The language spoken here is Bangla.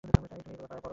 আমি চাই তুমি এগুলো পরো।